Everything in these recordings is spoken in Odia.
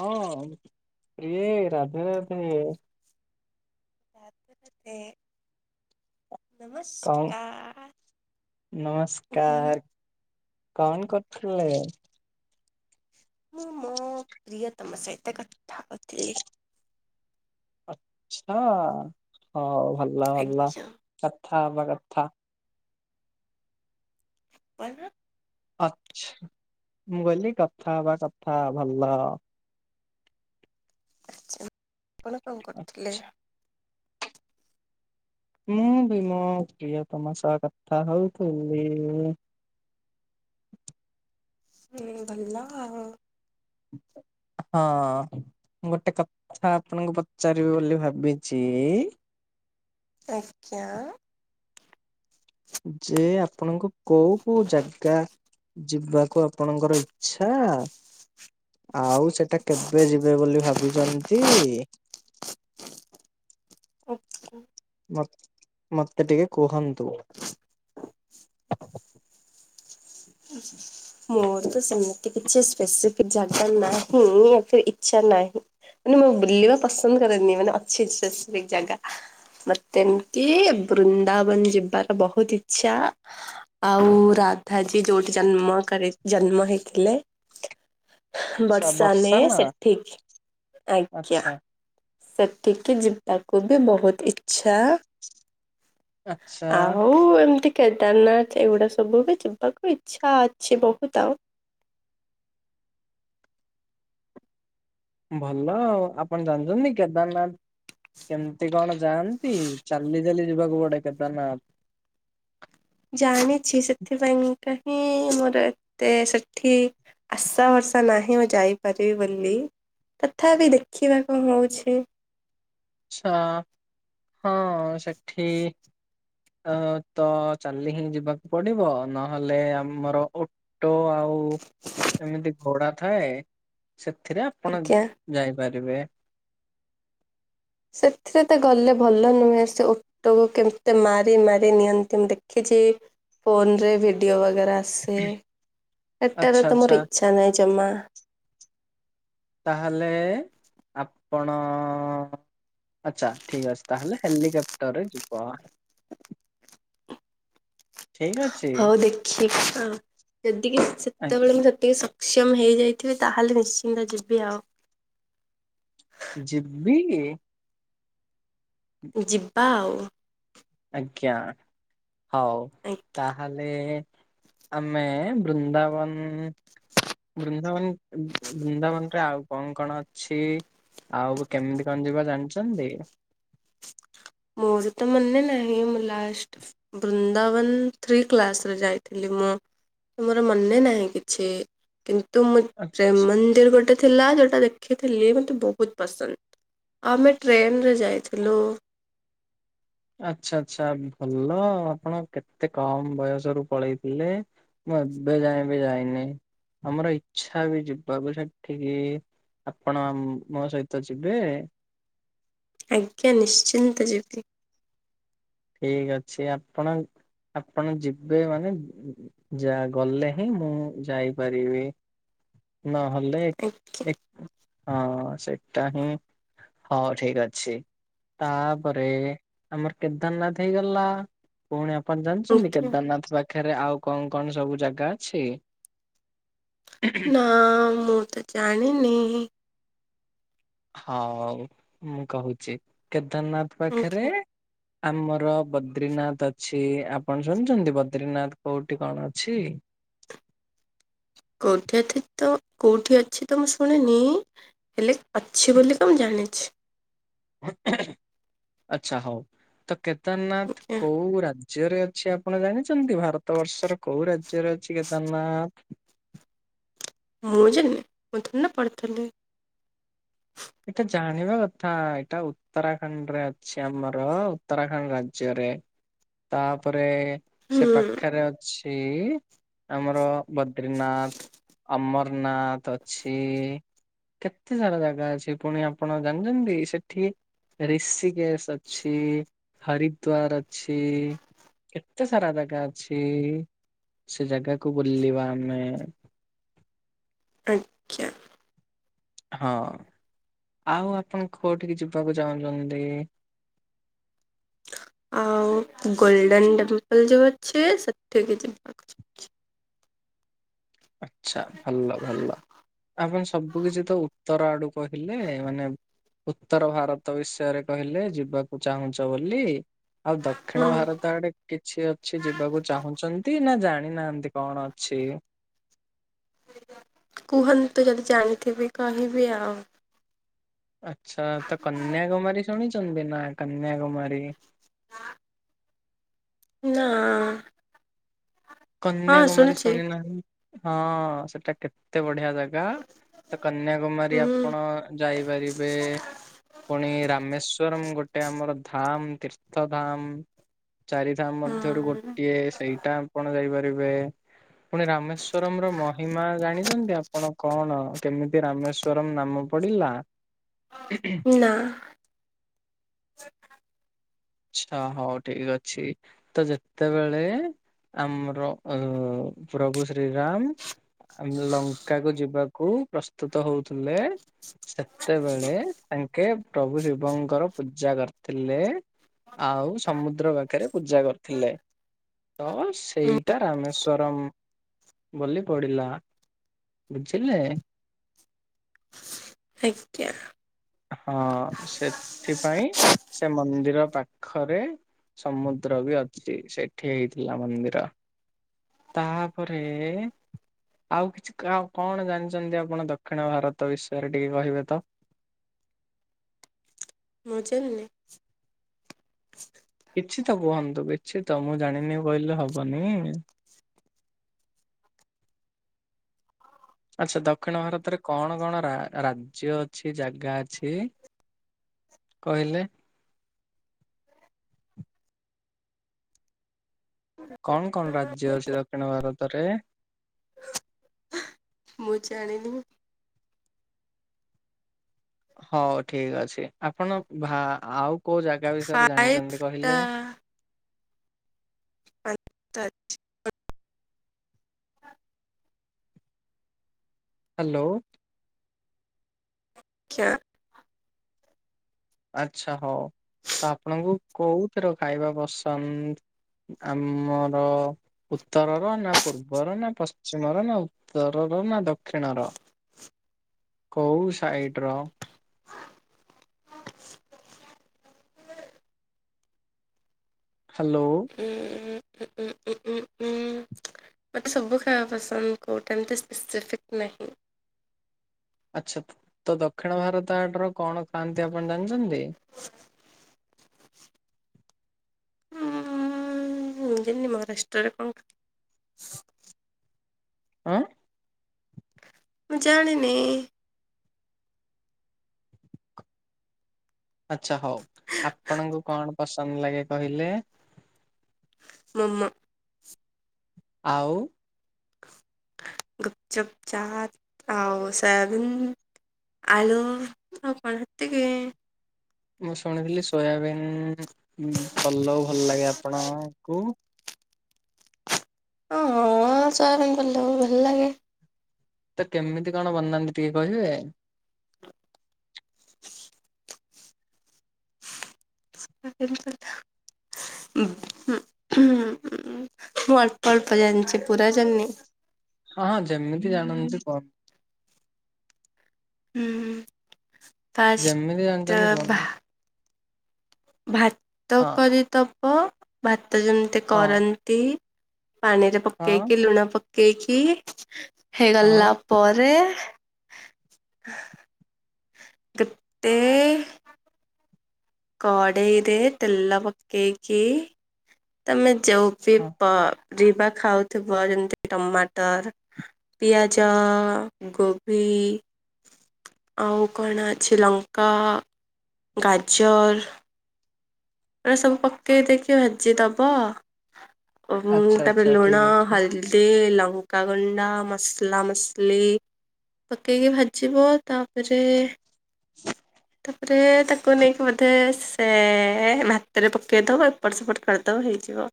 ହଁ ପ୍ରିୟେ ରାଧେ ରାଧେ। ରାଧେ ରାଧେ। କଣ ନମସ୍କାର୍ [unintelligible] ନମସ୍କାର। କଣ କରୁଥିଲେ? ମୁଁ ମୋ ପ୍ରିୟତମ ସହିତ କଥା ହୋଉଥିଲି। ଚ୍ଛା ହଉ ଭଲ ଭଲ ଆଜ୍ଞା। କଥା ହେବା କଥା। କ [unintelligible] ଆଛା ମୁଁ କହିଲି କଥା ହବା କଥା ଭଲ। ଆଚ୍ଛା ଆପଣ କଣ କରୁଥିଲେ? ମୁଁ ବି ମୋ ପ୍ରିୟତମା ସହ କଥା ହଉଥିଲି ମୁଁ। ହୁଁ ଭଲ ଅ। ହଁ। ମୁଁ ଗୋଟେ କଥା ଆପଣଙ୍କୁ ପଚାରିବି ବୋଲି ଭାବିଚି। ଆଚ୍ଚା। ଯେ ଆପଣଙ୍କୁ କୋଉ କୋଉ ଜାଗା ଯିବାକୁ ଆପଣଙ୍କର ଇଚ୍ଛା ଆଉ ସେଟା କେବେ ଯିବେ ବୋଲି ଭାବିଚନ୍ତି? ଆଚ୍ଛା। ମ୍-ମତେ ଟିକେ କୁହନ୍ତୁ। ଉଁହ୍ ମୋର ତ ସେମିତି କିଛି ସ୍ପେସିଫିକ୍ ଜାଗା ନାହିଁ। ୟା ଫିର ଇଚ୍ଛା ନାହିଁ ମାନେ ମୁଁ ବୁଲିବା ପସନ୍ଦ୍ କରେନି ମାନେ ଅଛି ସ୍ପେସିଫିକ୍ ଜାଗା। ମତେ ଏମ୍ ତି ବୃନ୍ଦାବନ୍ ଜିବାର ବହୁତ୍ ଇଚ୍ଛା। ଆଉ ରାଧା ଜୀ ଟି ଯୋଉଠି ଜନ୍ମ କରି ଜନ୍ମ ହେଇଥିଲେ ଆଚ୍ଛା ବର୍ଷାନେ ବର୍ଷା ନା ସେଠିକ୍ ଆଜ୍ଞା। ଆଚ୍ଛା ସେଠିକି ଯିବାକୁ ବି ବୋହୁତ୍ ଇଚ୍ଛା। ଆଚ୍ଛା ଆଉ ଏମ୍ ତି କେଦାରନାଥ ଏଗୁଡା ସବୁ ବି ଯିବାକୁ ଇଛା ଅଛି ବହୁତ ଆଉ। [unintelligible] ଭଲ ଆଉ ଆପଣ ଜାଣିଛନ୍ତି କେଦାରନାଥ କେମତି କଣ ଯାଆନ୍ତି ଚାଲି ଚାାଲି ଯିବାକୁ ପଡେ କେଦାରନାଥ ଜାଣିଛି ସେଥିପାଇଁ କାହିଁ ମୋର ଏତେ ସେଠି ଆଶା ଭରଷା ନାହିଁ ମୁଁ ଯାଇପାରିବି ବୋଲି ତଥାପି ଦେଖିବା କଣ ହଉଛି ଆଛା ହଁ ସେଠି ଅ ତ ଚାଲି ହିଁ ଯିବାକୁ ପଡିବ ନହେଲେ ଆମର ଅଟୋ ଆଉ ହଉ ଏମିତି ଘୋଡ଼ା ଥାଏ ସେଥିରେ ଆପଣ ଆଜ୍ଞା। ଯାଇପାରିବେ ସେଥିରେ ତ ଗଲେ ଭଲ ନୁହେଁ ସେ ଓଟକୁ କେତେ ମାରି ମାରି ନିଅନ୍ତି ମୁଁ ଦେଖି ସେ ଫୋନ ରେ ଭିଡିଓ ବଗେରା ସେ ଏଟାରେ ଆଚ୍ଛା ତ ଆଚ୍ଛା ମୋର ଇଚ୍ଛା ନାହିଁ ଜମାା ତାହେଲେ ଆପଣ ଆଚ୍ଛା ଠିକ ଅଛି ତାହଲେ ହେଲିକପ୍ଟର ରେ ଯିବ ଠିକ୍ ଅଛି। ହଉ ଦେଖିବା ଯେତିକି ଆ- ସେତେବେଳେ ମୁଁ ସେତିକି ସକ୍ଷମ ହେଇଯାଇଥିବେ ତାହେଲେ ନିଶ୍ଚିନ୍ତ ଯିବି ଆଉ ଯିବି ଯିବା ଆଉ ଆଜ୍ଞା ହଉ ଆ ତାହେଲେ ଆମେ ବୃନ୍ଦାବନ ବୃନ୍ଦାବନ ବୃନ୍ଦାବନରେ ଆଉ କଣ କଣ ଅଛି? ଆଉ କେମିତି କଣ ଯିବା ଜାଣିଛନ୍ତି? ମୋର ତ ମନେ ନାହିଁ ମୁଁ ଲାଷ୍ଟ ବୃନ୍ଦାବନ ଥ୍ରୀ କ୍ଲାସରେ ଯାଇଥିଲି ମୁଁ ମୋର ମନେ ନାହିଁ କିଛି କିନ୍ତୁ ମୁଁ ଆ- ପ୍ରେମ ମନ୍ଦିର ଗୋଟେ ଥିଲା ଯୋଉଟା ଦେଖିଥିଲି ମୋତେ ବହୁତ ପସନ୍ଦ ଆମେ ଟ୍ରେନରେ ଯାଇଥିଲୁ ଆଛା ଆଛା ଭଲ ଆପଣ କେତେ କମ ବୟସରୁୁ ପଳେଇଥିଲେ ମୁଁ ଏବେ ଯାଏ ବି ଯାଇନି ଆମର ଇଚ୍ଛା ବି ଯିବାକୁ ସେଠିକି ଆପଣ ମୋ ସହିତ ଯିବେ ଆଜ୍ଞା ନିଶ୍ଚିନ୍ତ ଯିବି ଠିକ ଅଛି ଆପଣ ଆପଣ ଯିବେ ମାନେ ଯା ଗଲେ ହିଁ ମୁଁ ଯାଇପାରିବି [inaudible] ନହେଲେ ଆଜ୍ଞା ହଁ ସେଟା ହିଁ ହଁ ଠିକ ଅଛି ତାପରେ ଆମର କେତେ କେଦାରନାଥ ହେଇଗଲା ପୁଣି ଆପଣ ଜାଣିଛନ୍ତି ଆଜ୍ଞା କେଦାରନାଥ ବାକ ପାଖରେ ଆଉ କଣ କଣ ସବୁ ଜାଗା ଅଛି? ନା ମୁଁ ତ ଜାଣିନି ହଉ ହଉ ମୁଁ କହୁଛି କେଦାରନାଥ ଆଜ୍ଞା ପାଖରେ ଆମର ବଦ୍ରିନାଥ ଅଛି ଆପଣ ଶୁଣିଛନ୍ତି ବଦ୍ରିନାଥ କୋଉଠି କଣ ଅଛି? କୋଉଠି ଅଛି ତ କୋଉଠି ଅଛି ତ ମୁଁ ଶୁଣିନି ହେଲେ ଅଛି ବୋଲି ତ ମୁଁ ଜାଣିଛି ହୁଁ ହୁଁ ଆଛା ହଉ ତ କେଦାରନାଥ ଆଜ୍ଞା କୋଉ ରାଜ ରାଜ୍ୟରେ ଅଛି ଆପଣ ଜାଣିଛନ୍ତି ଭାରତ ବର୍ଷର କୋଉ ରାଜ୍ୟରେ ଅଛି କେଦାରନାଥ? ମୁଁ ଜାଣିନି ମୁଁ ଥଡ଼ି ନା ପଢିଥିଲି ଏଇଟା ଜାଣିବା କଥା ଏଇଟା ଉତ୍ତରାଖଣ୍ଡରେ ଅଛି ଆମର ଉତ୍ତରାଖଣ୍ଡ ରାଜ୍ୟରେ [unintelligible] ତାପରେ ସେ ହୁଁ ପାଖରେ ଅଛି ଆମର ବଦ୍ରିନାଥ ଅମର ନ୍ନାଥ ଅଛି। କେତେ ସାରା ଜାଗା ଅଛି। ସେ ପୁଣି ଆପଣ ଜାଣିଚନ୍ତି ସେଠି ଋଷିକେଶ ଅଛି, ହରିଦ୍ଵାର ଅଛି। କେତେ ସାରା ଜାଗା ଅଛି। ସେ ଜାଗାକୁ ବୁଲିବା ଆମେ। ଆଜ୍ଞା। ହଁ ଆଉ ଆପଣ କୋଉଠିକି ଯିବାକୁ ଚାହୁଁଚନ୍ତି? ଆ [inaudible] ଆଉ ଗୋଲଡେନ୍ ଟେମ୍ପଲ୍ ଯୋଉ ଅଛି ସେଠିକି ଯିବାକୁ ଇଚ୍ଛା ଅଛି। ଆଚ୍ଛା ଭଲ ଭଲ ଆପଣ ସବୁ କିଛି ତ ଉତ୍ତର ଆଡୁ କହିଲେ ମାନେ ଉତ୍ତର ଭାରତ ବିଷୟରେ କହିଲେ ଯିବାକୁ ଚାହୁଁଚ ବୋଲି। ଆଉ ଦକ୍ଷିଣ ହୁଁ ଭାରତ ଆଡେ କିଛି ଅଛି ଯିବାକୁ ଚାହୁଁଚନ୍ତି ନା ଜାଣ ଜାଣି ନାହାନ୍ତି କଣ ଅଛି? କୁହନ୍ତୁ ଯଦି ଜାଣିଥିବି କହିବି ଆଉ। ଆଚ୍ଛା ତ କନ୍ୟାକୁମାରୀ ଶୁଣିଚନ୍ତି ନାଁ କନ୍ୟାକୁମାରୀ? ନା। ହଁ କନ୍ୟାକୁମାରୀ ଶୁଣିଛି ଶୁଣି ନାହିଁ ହଁ ସେଟା କେତେ ବ ଢିଆ ଜାଗା ତ କନ୍ୟାକୁମାରୀ ହୁଁ ଆପଣ ଯାଇପାରିବେ। ପୁଣି ରାମେଶ୍ଵରମ୍ ଗୋଟେ ଆମର ଧାମ୍। ତୀର୍ଥ ଧାମ୍ ଚାରି ଧାମ୍ ମଧ୍ୟରୁ ହଁ ଗୋଟିଏ ସେଇଟା। ଆପଣ ଯାଇପାରିବେ। ପୁଣି ରାମେଶ୍ଵରମ୍ ର ମହିମା ଜାଣିଚନ୍ତି ଆପଣ କଣ କେମିତି ରାମେଶ୍ଵରମ୍ ନାମ ପଡ଼ିଲା? ନା। ଛା ହଉ ଠିକ ଅଛି ତ ଯେତେବେଳେ ଆମର ଅ, ପ୍ରଭୁ ଶ୍ରୀରାମ ଆମେ ଲଙ୍କା କୁ ଯିବାକୁ ପ୍ରସ୍ତୁତ ହଉଥୁଲେ। ସେତେବେଳେ ତାଙ୍କେ ପ୍ରଭୁ ଶିବଙ୍କର ପୂଜା କରିଥିଲେ। ଆଉ ସମୁଦ୍ର ପାଖରେ ପୂଜା କରିଥିଲେ। ତ ହୁଁ, ସେଇଟା ରାମେଶ୍ଵରମ୍ ବୋଲି ପଡିଲା। ବୁଝିଲ? ଆଜ୍ଞା। ହଁ ସେଥିପାଇଁ ସେ ମନ୍ଦିର ପାଖରେ ସମୁଦ୍ର ବି ଅଛି। ସେଠି ହେଇଥିଲା ମନ୍ଦିର। ତା ପରେ ଆଉ କିଛି କା-କଣ ଜାଣିଚନ୍ତି ଆପଣ ଦକ୍ଷିଣ ଭାରତ ବିଷୟରେ ଟିକେ କହିବେ ତ? ମୁଁ ଚାଲଲି। କିଛି ତ କୁହନ୍ତୁ କିଛି ତ ମୁଁ ଜାଣିନି କହିଲେ ହବନି? [unintelligible] ଆଚ୍ଛା ଦକ୍ଷିଣ ଭାରତରେ କଣ କଣ ରା- ରାଜ୍ୟ ଅଛି ଜାଗା ଅଛି? କହିଲେ? କଣ କଣ ରାଜ୍ୟ ଅଛି ଦକ୍ଷିଣ ଭାରତରେ? ମୁଁ ଜାଣିନି। ହଉ ଠିକ ଅଛି। ଆପଣ ଭା-ଆଉ କୋଉ ଜାଗା ବିଷୟରେ ଫାଇଭ୍ ଜାଣିଚନ୍ତି ଟା କହିଲେ? [inaudible] ହାଲୋ। ଖ୍ୟ ଆଚ୍ଛା ହଉ ତ ଆପଣଙ୍କୁ କୋଉଥିର ଖାଇବା ପସନ୍ଦ? ଆମର ଉତ୍ତରର ନା ପୂର୍ବର ନା ପଶ୍ଚିମର ନା ଉତ୍ତର? ନା ଦକ୍ଷିଣର [inaudible] କୋଉ ସାଇଟର ହ୍ୟାଲୋ। ଉଁ ଉ ଉଁ ଉ ଉଁ ଉଁ ମୋତେ ସବୁ ଖାଇବା ପସନ୍ଦ କେଉଁଟା ଏମିତି ସ୍ପେସିଫିକ୍ ନାହିଁ। ଆଚ୍ଛା ତ ଦକ୍ଷିଣ ଭାରତ ଆଡର କଣ ଖାଆନ୍ତି ଆପଣ ଜାଣିଚନ୍ତି? [inaudible] ହଁ ଯେମିତୀ ମହାରାଷ୍ଟ୍ରରେ କଣ କ ଆଁ? ମୁଁ ଜାଣିନି। ଆଚ୍ଛା ହଉ ଆପଣଙ୍କୁ କଣ ପସନ୍ଦ ଲାଗେ କହିଲେ? [unintelligible] ଆଉ? ଗୁପଚୁପ ଚାଟ ଆଉ ସୋୟାବିନ ଆଳୁ ତ କଣ [unintelligible] ମୁଁ ଶୁଣିଥିଲି ସୋୟାବିନ୍ ପଲଉ ଭଲ ଲାଗେ ଆପଣଙ୍କୁ। ଓ ହୋ ସୋୟାବିନ ପଲଉ ଭଲ ଲାଗେ। ତ କେମିତି କଣ ବନାନ୍ତି ଟିକେ କହିବେ? [inaudible] [inaudible] ହଁ ମୁଁ ଅଳ୍ପ ଅଳ୍ପ ଯାଣିଛି ପୁରାଜାଣିନି। ହଁ ହଁ ଯେମିତି ଜାଣନ୍ତି କଣ ହୁଁ ହୁଁ ଯେମିତି ପାଷ୍ଟ ଜାଣିଛନ୍ତି ବା କୁହନ୍ତୁ ଭାତ ହଁ କରିଦବ ଭାତ ଯେମିତି ହଁ। କରନ୍ତି। ପାଣିରେ ହଁ ପକେଇକି ଲୁଣ ପକେଇକି ହେଇଗଲା ହଁ ପରେ [inaudible] ତୁପତେ କଡ଼େଇରେ ତେଲ ପକେଇକି ତମେ ହଁ ଚଉକିପ। ରିବା ଖାଉଥିବ ଯେମିତି ଟମାଟର, ପିଆଜ, ଗୋବି [inaudible] ଆଉ କଣ ଅଛି ଲଙ୍କା, ଗାଜର ଏଟା ସବୁ ପକେଇ ଦେଇକି ଭାଜି ଦବ। ଆଚ୍ଛା ତାପରେ ଆଚ୍ଛା ଲୁଣ, ଠିକ ଅଛି ହଳଦି, ଲ ଲଙ୍କା ଗୁଣ୍ଡା ମସଲା ମସଲି ପକେଇକି ଭାଜିବ ତାପରେ ତାପରେ ତାକୁ ନେଇକି ବୋଧେ ସେ ଭାତ ରେ ପକେଇଦବ ଏପଟ ସେପଟ କରିଦବ ହେଇଯିବ।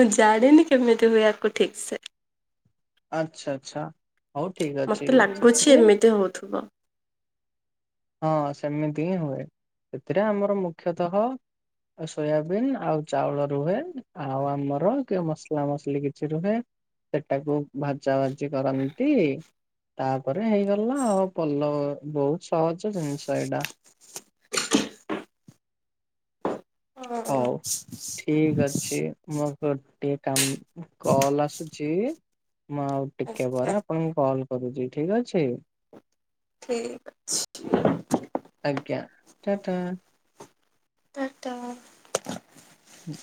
ମୁଁ ଜାଣନି କେମିତି ହୁଏ ଆକୁ ଠିକ ସେ? ଆଚ୍ଛା ଆଚ୍ଛା ହଉ ଠିକ ମତେ ଅଛି ଲାଗୁଛି ସେଥିରେ ଏମିତି ହଉଥିବ। ହଁ ସେମିତି ହିଁ ହୁଏ ସେଥିରେ ଆମର ମୁଖ୍ୟତଃ ଆଉ ସୋୟାବିନ୍ ଆଉ ଚାଉଳ ରୁହେ ଆଉ ଆମର କି ମସଲା ମସଲି କିଛି ରୁହେ। ସେଟାକୁ ଭାଜା ଭାଜି କରନ୍ତି। ତାପରେ ହେଇଗଲା ଆଉ ପଲ ବହୁତ ସହଜ ଜିନିଷ ଏଇଟା। ହଉ। ହୁଁ। ଠିକ ଅଛି ମୁଁ ଗୋଟେ କାମ କଲ ଆସୁଛି। ମୁଁ ଆଉ ଟିକେ ଆଚ୍ଛା ପରେ ଆପଣଙ୍କୁ କଲ କରୁଛି ଠିକ ଅଛି। ଠିକ୍ ଆଜ୍ଞା ଟା ଟା। ଟା ଟା। ହୁଁ।